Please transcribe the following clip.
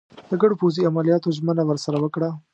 د ګډو پوځي عملیاتو ژمنه ورسره وکړه.